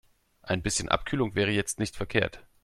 Ein bisschen Abkühlung wäre jetzt nicht verkehrt.